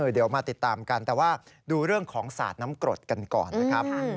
เดี๋ยวมาติดตามกันแต่ว่าดูเรื่องของสาดน้ำกรดกันก่อนนะครับ